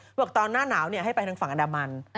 บอกว่าตอนหน้าหนาวให้ไปทางฝั่งอดามัณส์